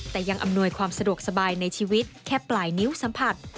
แต่ยังอำนวยความสะดวกสบายในชีวิตแค่ปลายนิ้วสัมผัส